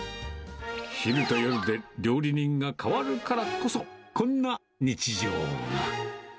昼と夜で料理人が変わるからこそ、こんな日常が。